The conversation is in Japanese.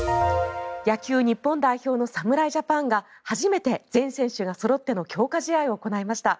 野球日本代表の侍ジャパンが初めて全選手がそろっての強化試合を行いました。